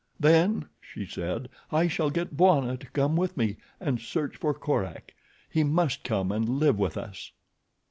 "Then," she said, "I shall get Bwana to come with me and search for Korak. He must come and live with us."